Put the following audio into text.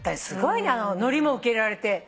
すごいねのりも受け入れられて。